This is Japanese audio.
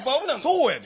そうやで。